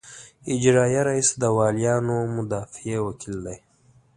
اجرائیه رییس د والیانو مدافع وکیل دی.